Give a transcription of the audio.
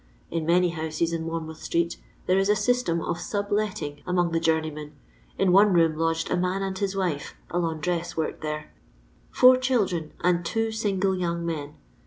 In many houses in Monmouth street there is a sys tem of sub letting among the journeymen. In one room lodged a man and his wife (a laundress worked Acre), four children, and two single yooDg men.